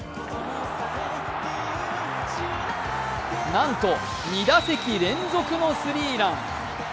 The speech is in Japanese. なんと、２打席連続のスリーラン。